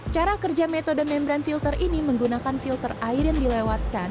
cara kerja metode membran filter ini menggunakan filter air yang dilewatkan